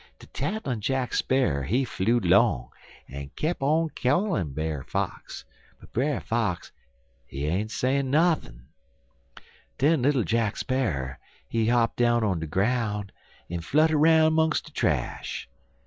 De tattlin' Jack Sparrer he flew'd 'long, en keep on callin' Brer Fox, but Brer Fox, he ain't sayin' nuthin'. Den little Jack Sparrer, he hop down on de groun' en flutter 'roun' 'mongst de trash.